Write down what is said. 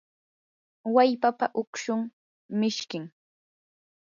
wallpapa ukshun mishkim.